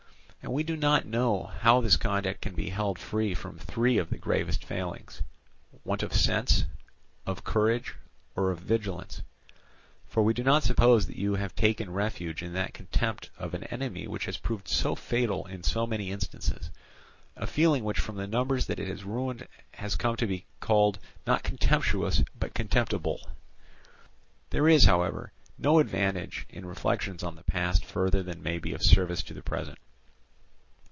And we do not know how this conduct can be held free from three of the gravest failings, want of sense, of courage, or of vigilance. For we do not suppose that you have taken refuge in that contempt of an enemy which has proved so fatal in so many instances—a feeling which from the numbers that it has ruined has come to be called not contemptuous but contemptible. "There is, however, no advantage in reflections on the past further than may be of service to the present.